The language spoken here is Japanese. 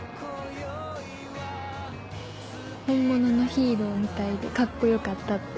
本物のヒーローみたいでカッコよかったって。